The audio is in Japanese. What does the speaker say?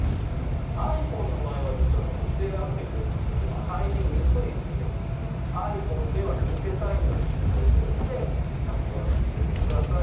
ｉＰｈｏｎｅの場合は実はこの不正アプリというのがとても入りにくいのでｉＰｈｏｎｅでは偽サイトに誘導されてパスワードを入れてください